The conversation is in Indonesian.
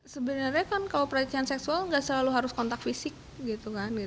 sebenarnya kan kalau pelecehan seksual nggak selalu harus kontak fisik gitu kan